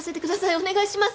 お願いします